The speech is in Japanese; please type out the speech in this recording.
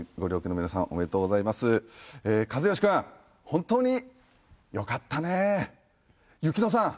本当によかったの？